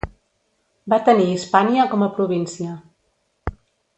Va tenir Hispània com a província.